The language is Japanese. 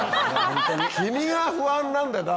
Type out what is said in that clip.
君が不安なんだよ！